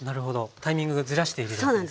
タイミングをずらして入れるわけですね。